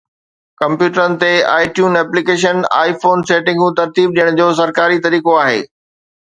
ڪمپيوٽرن تي آئي ٽيون ايپليڪيشن آئي فون سيٽنگون ترتيب ڏيڻ جو سرڪاري طريقو آهي